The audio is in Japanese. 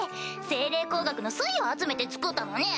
精霊工学の粋を集めて造ったのに！